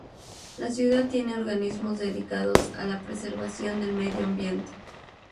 La ciudad tiene organismos dedicados a la preservación del medio ambiente.